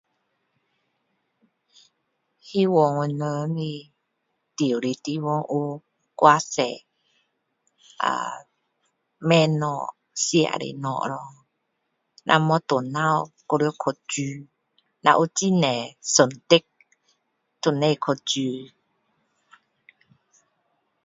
希望我们的住的地方有更多呃卖东西吃的地方咯不然下班还要去煮若有很多选择就不用去煮